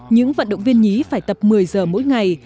những vận động viên nhí phải tập một mươi giờ mỗi ngày